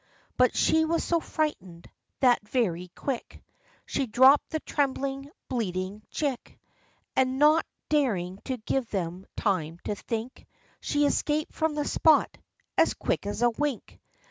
But she was so frightened, that very quick She dropped the trembling, bleeding chick; And not daring to give them time to think, She escaped from the spot " as quick as wink."